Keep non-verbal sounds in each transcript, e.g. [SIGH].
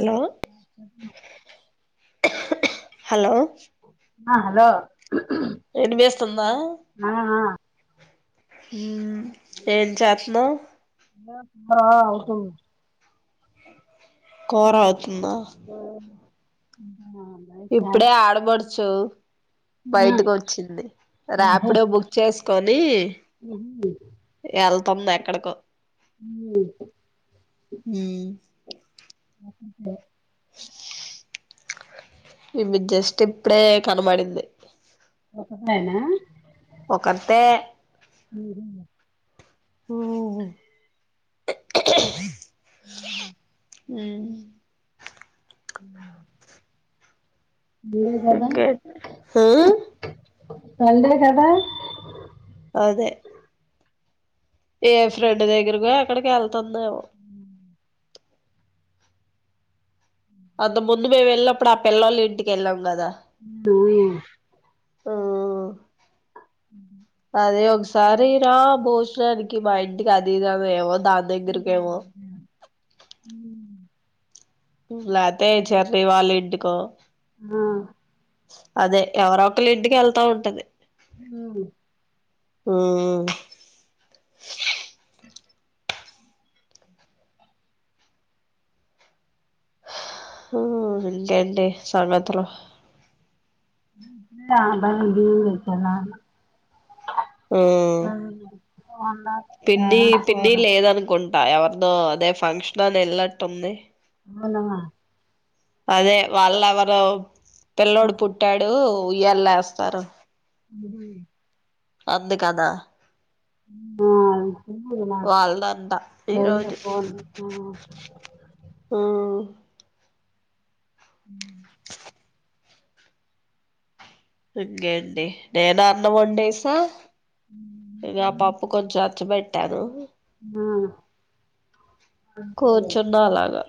Hello [INAUDIBLE] hello ఆ hello ఇన్ని పిస్తుందా ఆ ఆ మ్ ఏం చేత్నవ్ ఆ అవుతుంది కోర అవుతుందా ఉమ్ ఇప్పుడే ఆడబడచు బయటకు వచ్చింది ఓహో ర్యాపిడో బుక్ చేసుకొని ఎళ్తుంది ఎక్కడకో ఉమ్ ఉమ్ [UNINTELLIGIBLE] ఇవ్వి జస్ట్ ఇప్పుడే కనబడింది ఒకత్తేనా ఒకత్తె సండే ఉమ్ హ్మ్ ఊ పండుగ చేద్దామా అదే ఏ ఫ్రెండ్ దగ్గరగో ఎక్కడికో ఎళ్తుందేమో అంత ముందు మేమేళ్ళినప్పుడు ఆ పిళ్లొల్లిన్టికి ఎళ్ళాం గదా ఆ ఆ ఉమ్ అదే ఒక్స్ తరీరా భోజనానికి మా ఇంటికి అదిదామే ఎమొద్ ఉమ్ ఉమ్ లాతే చెర్రీ వాళ్ళ ఇంటికో ఆ అదే ఎవరొ ఒకలింటికి వెళ్తా ఉంటది. హ్మ్ ఉమ్ ఉమ్ ఇంకేంటి సంగతులు ఉమ్ [UNINTELLIGIBLE] వండాలి పిన్ని పిన్ని కూర లేదనుకుంటా ఎవర్దో అదే ఫంక్షన్ అని ఎల్నట్టుంది అవునా అదే వాళ్ళ ఎవరో పిల్లోడు పుట్టాడు ఉయ్యల్లేస్తారన్ అవునా అందికదా ఆ పోన్లే మాకె వాళ్ళదంట ఈరోజు [UNINTELLIGIBLE] పోను ఉమ్ గెడ్డి నేనా అన్నమొన్డేశా ఇగా పప్పు కొంచెం అచ్చుబేట్టాను ఆ కూర్చున్నాలాగా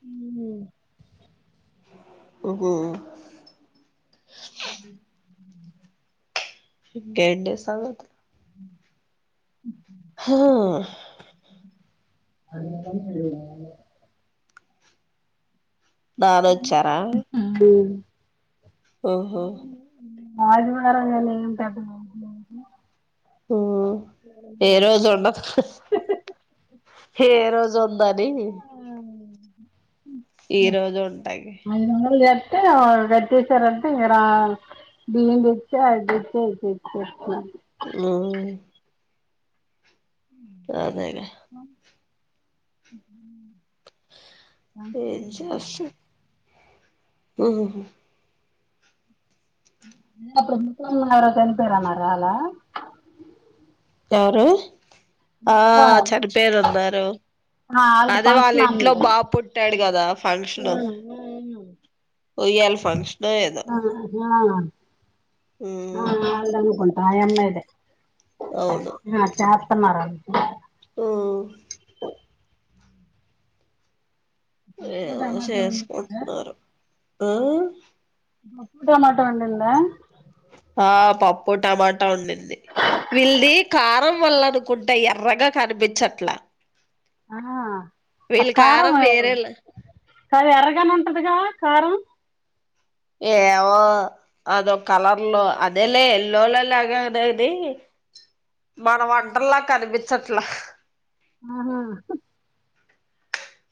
హ్మ్ ఉమ్ హు [INAUDIBLE] ఇగెండి సంగతులు హా అన్ని సార్లు తిరగడం నావల్ల గాద్ బావోచ్చారా ఆహా [UNINTELLIGIBLE] ఏం పెద్ద ఉమ్ ఏరోజుండోక్ ఏ రోజుందనీ ఈ రోజు ఉంటాకి టె గట్టేసారంట ఇంగ రా దీన్ దెచ్చి అది దేస్తే ఐపోయేది [UNINTELLIGIBLE] ఉమ్ అదేగ అ ఏ చేస ఉమ్ అప్పుడు ముర కనిపారన్న రాల [UNINTELLIGIBLE] [INAUDIBLE] ఎవరు ఆ చనిపోయారు అన్నారు ఆ ఆల్ది అదే వాళ్ళ ఫంక్షన్ ఇంట్లో అనింది బాబు పుట్టాడు కదా ఫంక్షన్ ఉయ్యాల ఫంక్షన్ ఏదో ఆ ఆ ఆ ఉమ్ వల్ది అనుకుంటా అమ్మాయిదే అవును చేస్తున్నారు అ ఉమ్ పప్పు ఏమో టమాటా వండిందా చేసుకుంటున్నారు ఆ పప్పు టమాటో వండింద ఆ పప్పు టమాటా వండింది వీళది కారం అనుకుంట ఎర్రగా కనిపించట్లా ఆ వీళ్ళ కారం వేరేలా కది యరగ గానే ఉంటది కదా కారం ఏమో అదో కలర్లో అదేలా ఎల్లోలోలా అగదాది మన వంటాల కనిపించట్లా ఆహా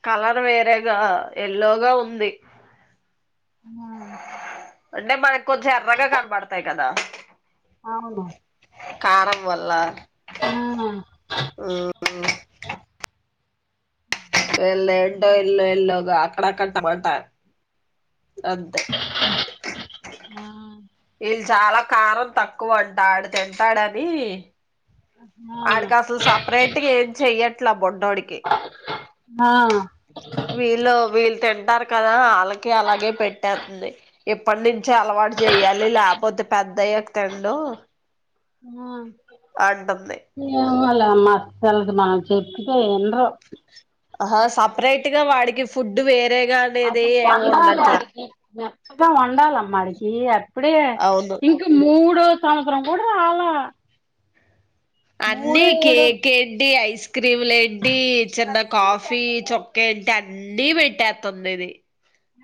కలర్ వేరేగా ఎల్లో గా ఉంది ఆ అంటే మనకు కొంచెం ఎర్రగా కనబడతాయి కదా అవును కారం వల్ల ఆ వెళ్ళ ఏంటో ఎల్లో ఇల్ల్లోగా అక్కడ అక్కడ టమోటో అంతే ఇళ్ళు చాలా కారం తక్కువంట ఆడు తింటాడని అడికి అసలు సపరేట్ గా ఏం చెయ్యట్ల బొ డికి ఆ విళో విళ్తే అంటారు కదా అళ్ళకి అలాగే పెట్టేత్తుంది ఇప్పటి నుంచి అలవాటు చేయాలి లేపోతే పె ద్దయ్యాక తిండు అంటుంది ఏమో లేమ్మా వాళ్లకు మనం చెప్తే ఇన్రు ఆ సపరేట్ గా వాడికి ఫుడ్ వే ఆ పిల్ల వండాలి వాడికి మెత్తగా వండాలమ్మ ఆడికి ఇప్పుడే అవును ఇంక మూడో సంవత్సరం కూడా రాలా మూడు అన్నీ కే ఏడు కేడ్డి ఐస్ క్రీములు ఏట్టి చిన్న కాఫీ చుక్కేట్టి అన్నీ పెట్టేత్తుంది ఇది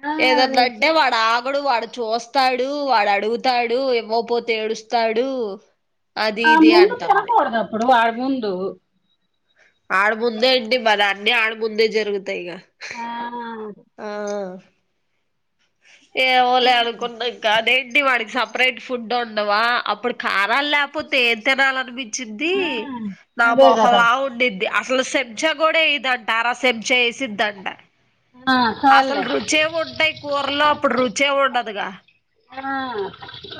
ఆ ఏదన్న అంటే వాడు ఆగడు వాడు చూస్తాడు వాడు అడుగుతాడు ఇవ్వకపోతే ఏడుస్తాడు అది ఆ ఇది ముందు అంటుంది తినకూడదు అప్పుడు వాడి ముందు ఆడముందేంటి మరి అన్ని ఆడముందే జరుగుతాయి ఇక ఆ ఆ ఏమోలే అనుకున్నాయి కాదే టి వాడికి సపరేట్ ఫుడ్ ఉండవా అప్పుడు కారాలు లేపోతే ఏం తినాలినిపి చ్చిది నా అదే మొహం కదా లా ఉండిది అ సలు సెబ్జా కూడా ఏయ్యదంట అర సెబ్జా వేసిద్దంట ఆ అసలు చాల్లే రుచేముంటాయ్ కూరలో అప్పుడు రుచే ఉండదుగా ఆ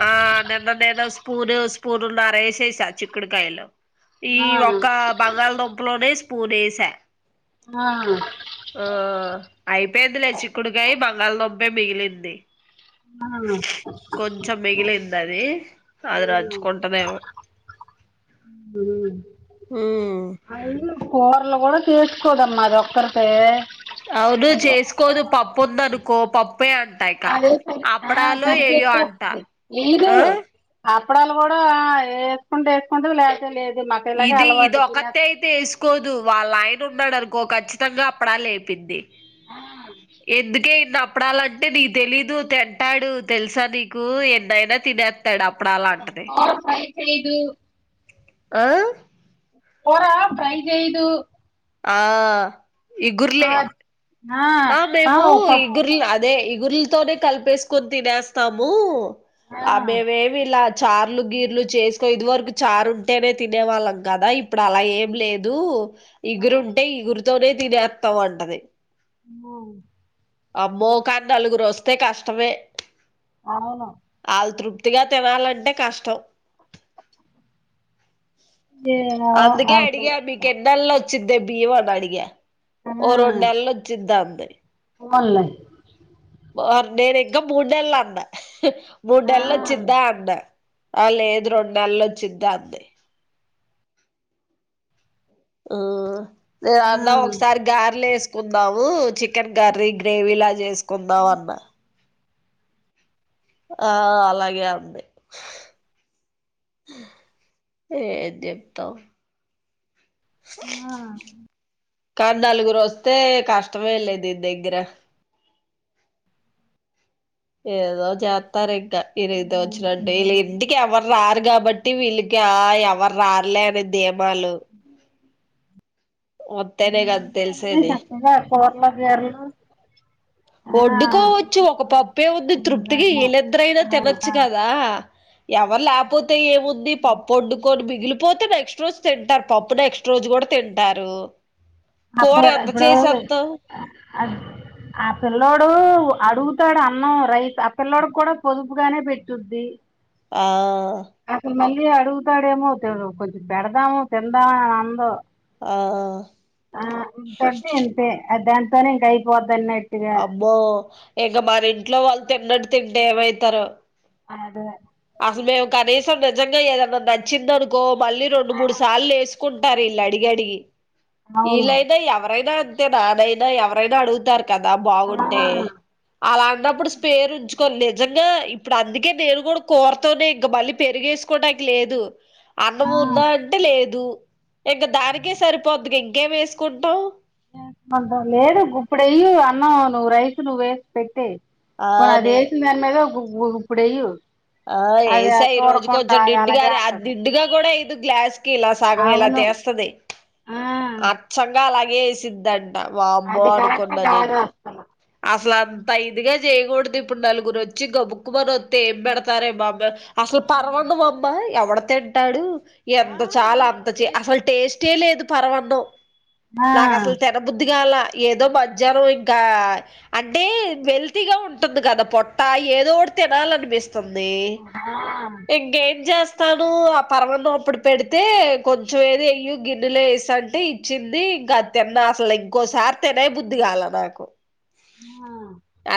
ఆ నిన్న నేను స్పూను స్పూనున్నర ఏశేషా చిక్కుడుకాయలో ఈ ఆ ఒక్క బంగాళదుంపలోనే స్పూన్ ఏసా ఆ ఆ ఆ అయిపోయింది లే చిక్కుడుకాయ బంగాళదుం మేం మిగిలింది ఆ కొంచెం మిగిలింది అది అది రంచుకుంటదేమో అవునా అయి కూరలు కూడా చేసుకోదమ్మా అది ఒక్కర్తే అవును చేసుకోదు పప్పు ఉందనుకో పప్ అదే సరి ఆ సరి ఏయో అంట పెట్టేతది ఏయ్యదు ఆ అత్ అప్పడాలు కూడా ఆ ఏసుకుంటే ఏసుకుంటది లేదంటే లేదు మాకు ఇలాగే ఇది ఇది అలవాటు తినేస్ ఒకత్తయితే ఏసుకోదు వాళ్ళయ ఉన్నాడునుకో కచ్చితంగా అప్పడాలు ఏపిది ఎందుకే ఇన్ని అప్ అప్పడాలంటే నీకు తెలీదు తింటాడు తెలుసా నీకు ఎన్నైనా తినేత్తాడు అప్ ప్పడాలంటది ఐదు ఆ కూరా ఫ్రై చేయదు ఆ ఆ ఇగుర్లే ఆ మేము ఓ పప్పు ఇగుర్లా అ దే ఇగుర్లాతోనే కలిపేసుకొని తినేస్తాము ఆ మేమేమి ఇలా చార్లు గీర్లు చేసుకో ఇదివరకు చారు ఉంటేనే తినేవాళ్ళం కదా ఇప్పుడు అలా ఏం లేదు ఆ ఆ, ఇగురుంటే ఇగురుతోనే తినేత్తాం అంటది అమ్మో అమ్మో కానీ నలుగురు వస్తే కష్టమే అవును ఉత్తిగా తినాలంటే కష్టం ఏమో అందుకే అసలు అడిగా మీకు ఎన్నెలో చిదే బియ్యం అని అడిగా ఆ ఒ రొండు నెల్ ఒచిద్దంది ఫోన్లయ్ ఓర్ నేను ఇంకా మూడు నెల్ అన్న మూడు ఆ నెల్ ఒచ్చిద్దా అన్నా ఆ లేదు రొం నెలు వచ్చిద్దాంది ఆ ఆ నేనన్న ఒకసారి గార్లు ఎస్ కుందాము చికెన్ కర్రీ గ్రేవీ లా చేసుకుందాం అన్న ఆ అలాగే అంది ఏం చెప్తావ్ కాద్ నలుగురు రోస్ తే కష్టమే లె దీన్ దగ్గర ఏదో జేతర ఇం ద ఇరైద వచ్చనట్టు వీళ్ళ ఇంటికి ఎవరు రారు కాబట్టి వీళ్ళకి ఆ యవ ఎవరు రారులే అని ధీమాలు వత్తేనే కదా నేనంటే అన్ని తెలిసేది చక్కగా కూరలు గేర్లు వడ్డుకోవచ్చు ఒక పప్పే ఉంది తృప్తికి ఇలిద్దరైనా అవును తినొచ్చు కదా ఎవరు లేకపోతే ఏముంది పప్పు వండుకొని మిగిలిపోతే నెక్ నెక్స్ట్ రోజు తింటారు పప్పు నెక్స్ట్ రోజు కూడా తింటారు కూర అప్లేదా ఎంత ఇప్పుడు అ చేసేత్తాం అద్ ఆపిల్ పిల్లోడు అడుగుతాడు అన్నం రైస్ ఆ పిల్ల్లోడు కూడా పొదుపుగానే పెట్టుద్ది ఆ అసలు మళ్ళీ అడుగుతాడేమో తి కొంచెం పెడదామో తిందామ అని అందు ఆ ఆ ఇంతంటే ఇంతే అ దాంతోనే ఇంకా అయిపోద్దన్నట్ అబ్బో ఇంక మన ఇంట్లో వాళ్ళు తిన్నట్టు తింటే ఏమైతరో ఆ ఎదవె అస్సలు మేము కనీసం నిజంగా ఏదన్నా నచ్చిందనుకో మళ్ళీ రెండు ఆ మూడు సార్లు ఎసి కుంటారు ఇళ్ళు అడిగి అడిగి అవును ఇళ్ళైతే ఎవరైన అం తే నానైనా ఎవరైనా అడుగుతారు కదా బాగుంటే ఆ అలా అన్నప్పుడు స్పేరు ఉంచు నిజంగా ఇప్పుడు అందుకే నేను కూడా కూర తోనే ఇంక మళ్ళీ పెరిగేస్కోటకి లేదు అన్నం ఆ ఉందా అంటే లేదు ఇంక దానికే సరిపోద్ది గ ఇంకేం ఎస్కుంటాం లేదు గుప్పుడెయ్యి అన్నం నువ్వు రైస్ నువ్వేసి పెట్టేయ్ ఆ పోని అది నే ఎసిందాని మీద గుప్పుడెయు ఆ ఏసా ఈ రోజు కొంచెం అలాగే నిండుగాని అది అంటది నిండుగా గూడా ఎయ్యదు గ్లాస్ కి ఇలా సగం ఇలా అవును ఎస్తది ఆ అచ్చంగా అలాగే ఎసిద్దద్ వామ్మో అది కరెక్ట్ అనుకున్నా కాదు నేను అసలు అసలా అంత ఇదిగా జేయగూడదు ఇప్పుడు నలుగురు వచ్చి గబుక్కుమని వస్తే ఏం పెడతారే బాబా అస్సలు పర్వఅన్నం అమ్మ ఎవడు తింటాడు ఆ ఇంత చాలా అంత చె అంతది అస్సలు టేస్ట్ ట్టే లేదు పరవన్నం ఆ నాకు అస్సలు తినబుద్ధిగాల ఏదో మజ్యనం ఇంకా అంటే వెల్తీగా ఉంటుంది కదా పొట్టా ఏదో ఒటి తినాలనిపిస్తుంది ఆ ఇంకేం చేస్ తను ఆ పర్వఅన్నం అప్పుడు పెడితే కొంచెం ఏది ఎయ్యు గిన్నెలో ఎసి అంటే ఇచ్చింది ఇంకా తిన్నా అసల్ ఇంకోసారి తినే బుద్ధిగాల నాకు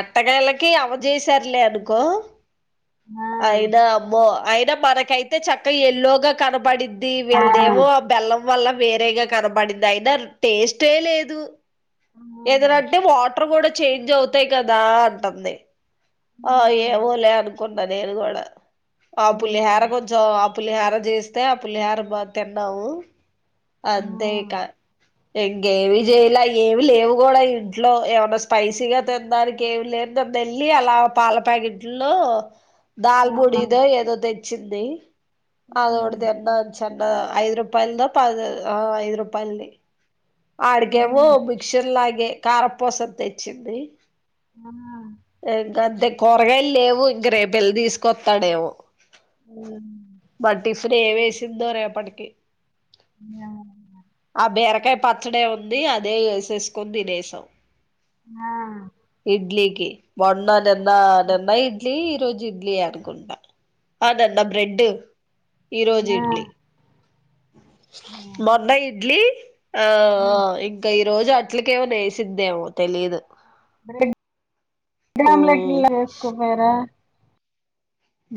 అట్టగాళ్ళకి అవ్వ జేసారులే అనుకో ఆ ఆ అయినా అమ్మో అయినా మనకైతే చక్క ఎల్లోగా కనపడి ది ఆ ఆ వీళ్దేమో ఆ బెల్లం వల్ల వేరేగా కనబడింది అయినా టేస్టే లేదు ఏదనంటే వాటర్ కూడా చేంజ్ అవుతాయి కదా అంటంది ఆ ఏవో లే అనుకున్నా నేను గూడా ఆ పులిహోర కొంచెం ఆ పులిహార జేస్తే ఆ పులిహోర బా తిన్నాము అంతే ఇక ఇంకేమీ జేయలే ఏమి లేవు గూడా ఇంట్లో ఏమైనా స్పైసీగా తిన్దానికి ఏమి లేన్దే వెళ్లి అలా పాల ప్యాకెట్ల్లో ఆ దాల్ముడిదో ఏదో తెచ్చింది అదోటి తిన్నా చ అ ఐదు రూపాయల్ద పది ఆ ఐదు రూపాయల్ది ఆడికేమో మిక్చర్ లాగే కారపూస తెచ్చింది అవునా ఇంక అంతే కూరగాయలు లేవు ఇంక రేపెళ్ళి తీస్కొత్తడేమో మర్ టిఫిన్ ఏమ్ ఎసిందో రేపటికి ఆ ఆ బీరకాయ్ పచ్చడే ఉంది అదే ఎసేస్కొన్ దినేశం ఆ.. మొన్న నిన్న నిన్న ఇడ్లీ ఈ రోజు ఇడ్లీయె అనుకుంట ఆ నిన్న బ్రెడ్ ఈ రోజు ఆ ఇడ్లీ మొన్న ఇడ్లీ ఆ ఇంక రోజు అట్లుకేమన్న ఎసిద్దేమో తెలీదు బ్రెడ్ ఉమ్ ఆమ్లెట్ల ఎస్కోపోయార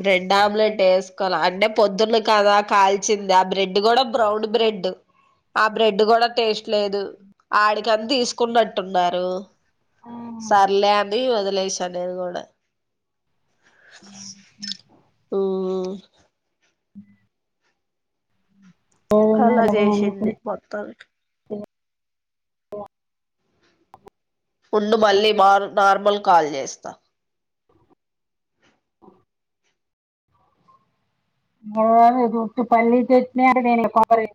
బ్రెడ్ ఆమ్లెట్ ఏస్కోల అంటే పొద్దున్న కదా కాల్చింది ఆ బ్రెడ్ గూడా బ్రౌన్ బ్రెడ్ ఎడ్డు ఆ బ్రెడ్ గూడా టేస్ట్ లేదు ఆడికని తీస్కున్నట్టున్నారు సర్లే అని వదిలేసా నేను గూడా హ్మ్ లేదున్నా అలా ఇలాగ ముందుకు జేసింది మొత్తానికి ఉండు మళ్ళీ మార్ నార్మల్ కాల్ చేస్తా. మగానే పల్లీ చట్ని అదే కొబ్బరి